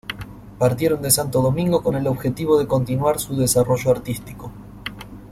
Partieron de Santo Domingo con el objetivo de continuar su desarrollo artístico.